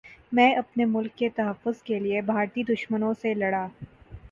میں اپنے ملک کے تحفظ کے لیے بھارتی دشمنوں سے لڑا